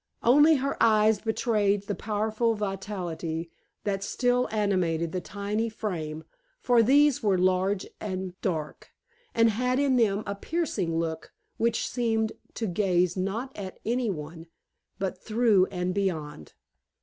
Only her eyes betrayed the powerful vitality that still animated the tiny frame, for these were large and dark, and had in them a piercing look which seemed to gaze not at any one, but through and beyond.